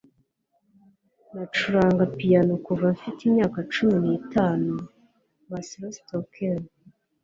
nacuranga piyano kuva mfite imyaka cumi n'itanu marcelostockle